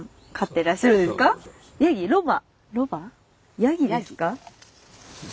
ヤギですか？